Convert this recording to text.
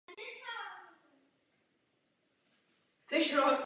Nachází se na západě země ve státě Mérida v pohoří Sierra Nevada.